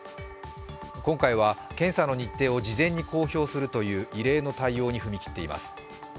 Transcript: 今回は検査の日程を事前に公表するという異例の対応に踏み切っています。